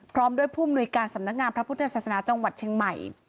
พร้อมด้วยผู้มนุยการสำนักงานพระพุทธศาสนาจังหวัดเชียงใหม่